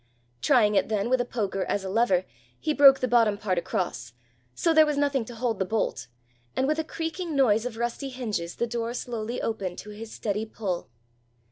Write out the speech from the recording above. Trying it then with a poker as a lever, he broke the bottom part across; so there was nothing to hold the bolt, and with a creaking noise of rusty hinges the door slowly opened to his steady pull.